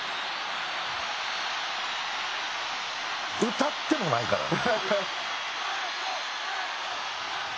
「歌ってもないからね」